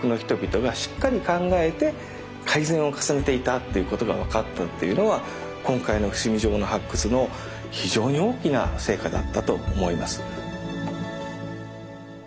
っていうことが分かったっていうのは今回の伏見城の発掘の非常に大きな成果だったと思います。